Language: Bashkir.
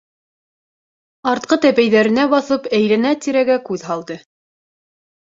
Артҡы тәпәйҙәренә баҫып, әйләнә-тирәгә күҙ һалды.